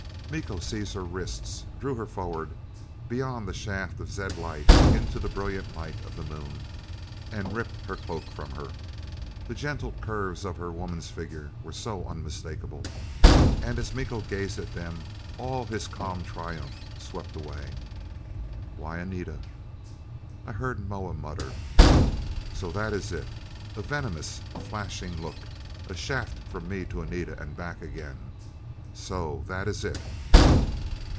Miko seized her wrists, drew her forward, beyond the shaft of zed light, into the brilliant light of the Moon. And ripped her cloak from her. The gentle curves of her woman's figure were so unmistakable! And as Miko gazed at them, all his calm triumph swept away. "Why, Anita!" I heard Moa mutter, "So that is it?" A venomous flashing look a shaft from me to Anita and back again. "So that is it?"